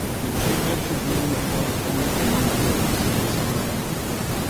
The geometric mean applies only to numbers of the same sign.